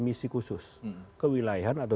misi khusus kewilayahan atau